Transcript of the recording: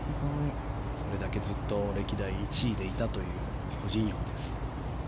それだけずっと歴代１位でいたというコ・ジンヨンです。